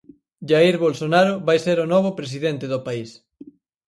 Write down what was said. Jair Bolsonaro vai ser o novo presidente do país.